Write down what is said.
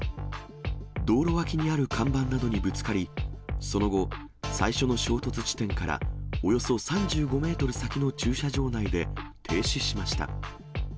道路脇にある看板などにぶつかり、その後、最初の衝突地点からおよそ３５メートル先の駐車場内で停止しました。